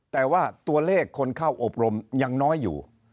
แต่ว่าตัวเลขคนเข้าอบรมยังน้อยอยู่